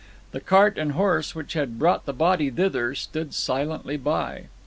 The cart and horse which had brought the body thither stood silently by.